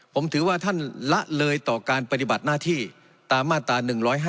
ผมถือว่าท่านละเลยต่อการปฏิบัติหน้าที่ตามมาตรา๑๕